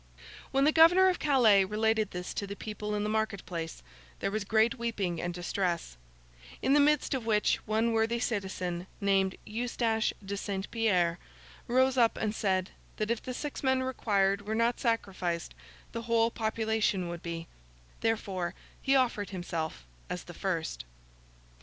When the Governor of Calais related this to the people in the Market place, there was great weeping and distress; in the midst of which, one worthy citizen, named Eustace de Saint Pierre, rose up and said, that if the six men required were not sacrificed, the whole population would be; therefore, he offered himself as the first.